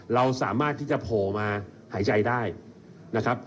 เราสามารถที่จะโผล่มาหายใจได้นะครับ